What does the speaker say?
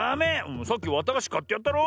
さっきわたがしかってやったろ。